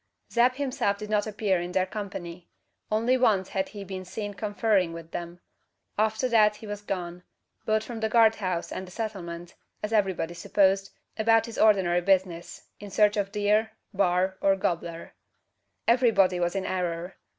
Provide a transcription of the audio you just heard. Zeb himself did not appear in their company. Only once had he been seen conferring with them. After that he was gone both from the guard house and the settlement, as everybody supposed, about his ordinary business in search of deer, "baar," or "gobbler." Everybody was in error.